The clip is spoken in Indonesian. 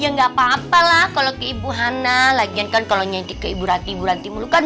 ya nggak papa lah kalau ke ibu hana lagi akan kalau nyanyi ke ibu ibu ranti ibu ranti mulukan